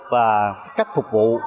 và cách phục vụ